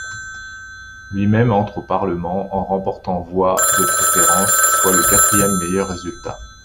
Lui-même entre au Parlement en remportant voix de préférence, soit le quatrième meilleur résultat.